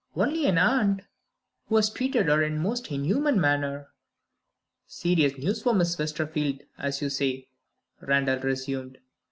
"Only an aunt, who has treated her in the most inhuman manner." "Serious news for Miss Westerfield, as you say," Randal resumed.